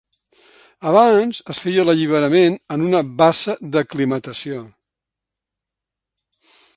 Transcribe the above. Abans es feia l’alliberament en una bassa d’aclimatació.